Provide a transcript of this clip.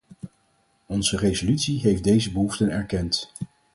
Onze resolutie heeft deze behoeften erkend.